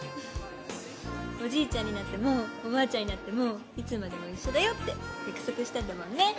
おじいちゃんになってもおばあちゃんになってもいつまでも一緒だよって約束したんだもんね。